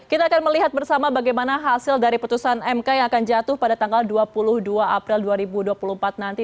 kita akan melihat bersama bagaimana hasil dari putusan mk yang akan jatuh pada tanggal dua puluh dua april dua ribu dua puluh empat nanti